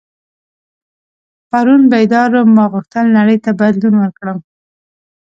پرون بیدار وم ما غوښتل نړۍ ته بدلون ورکړم.